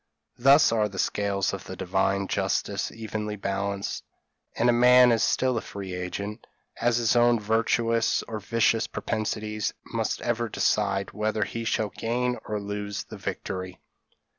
Thus are the scales of Divine justice evenly balanced, and man is still a free agent, as his own virtuous or vicious propensities must ever decide whether he shall gain or lose the victory."